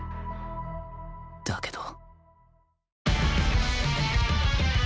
だけど